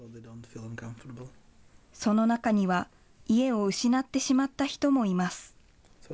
その中には家を失ってしまった人もいます。